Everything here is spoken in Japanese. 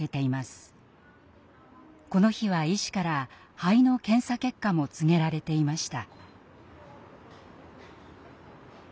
この日は医師から肺の検査結果も告げられていました。